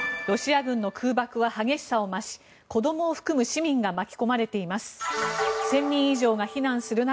ロシア軍の空爆は激しさを増し子どもを含む市民が巻き込まれています。